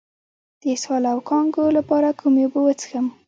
د اسهال او کانګو لپاره کومې اوبه وڅښم؟